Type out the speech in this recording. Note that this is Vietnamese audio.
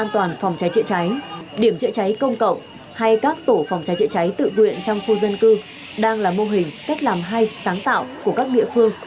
tự quyện trong khu dân cư đang là mô hình cách làm hay sáng tạo của các địa phương